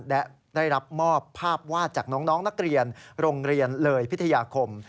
และได้รับมอบภาพวาดจากน้องนักเรียนโรงเรียนเลยพิทยาคม